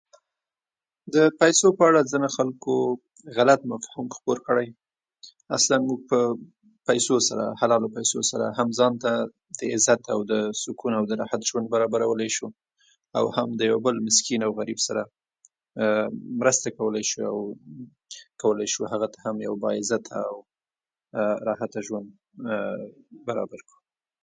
د پيسو په اړه ځينو خلکو غلط مفهوم خپور کړی اصلآ موږ په پيسو سره حلالو پيسو سره هم ځانته د عزت او د سکون او د راحت ژوند برابرولی شو او هم د يو بل مسکين او غريب سره مرسته کولی شو، او کولای شو هغه ته هم يو باعزته او راحته ژوند برابر کړو